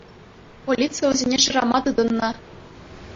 Полици вӗсене шырама тытӑннӑ.